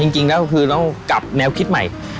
จริงแล้วคือต้องกลับแนวคิดใหม่